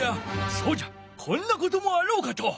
そうじゃこんなこともあろうかと。